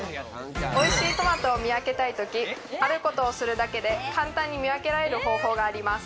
おいしいトマトを見分けたい時、あることをするだけで簡単に見分けられる方法があります。